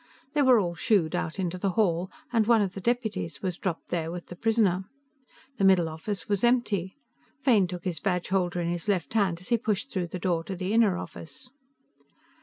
They were all shooed out into the hall, and one of the deputies was dropped there with the prisoner. The middle office was empty. Fane took his badgeholder in his left hand as he pushed through the door to the inner office.